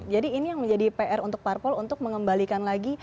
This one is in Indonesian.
jadi ini yang menjadi pr untuk parpol untuk mengembalikan lagi